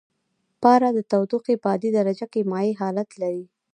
پاره د تودوخې په عادي درجه کې مایع حالت لري.